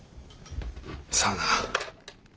さあな。